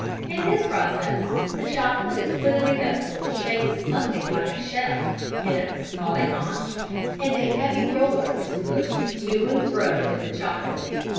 In this process the chocolate is put in a vessel shaped something like a shell (hence called a conche), and a heavy roller is pushed to and fro in the chocolate.